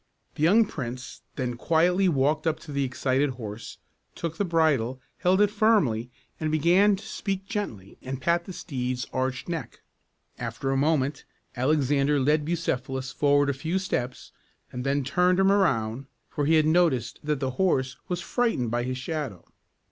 The young prince then quietly walked up to the excited horse, took the bridle, held it firmly, and began to speak gently and pat the steed's arched neck. After a moment, Alexander led Bucephalus forward a few steps, and then turned him around, for he had noticed that the horse was frightened by his shadow.